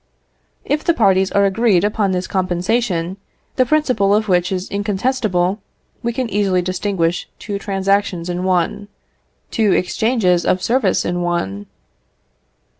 If the parties are agreed upon this compensation, the principle of which is incontestable, we can easily distinguish two transactions in one, two exchanges of service in one.